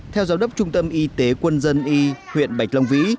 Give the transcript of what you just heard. theo giáo đốc trung tâm y tế quân dân y huyện bạch long vĩ